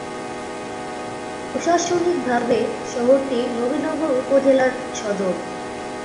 প্রশাসনিকভাবে শহরটি নবীনগর উপজেলার সদর।